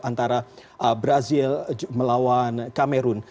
antara brazil melawan cameroon